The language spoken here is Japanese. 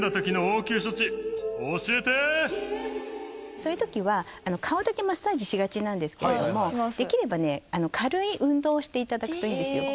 そういう時は顔だけマッサージしがちなんですけれどもできればね軽い運動をして頂くといいですよ。